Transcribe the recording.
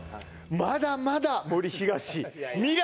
まだまだ森東未来